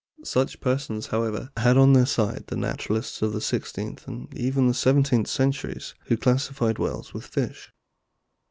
Such persons, however, had on their side the naturalists of the sixteenth and even the seventeenth centuries, who classified whales with fish.